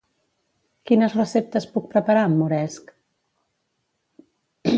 Quines receptes puc preparar amb moresc?